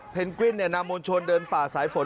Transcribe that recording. เพ็งกวิ่นนำวนชลเดินฝ่าสายฝน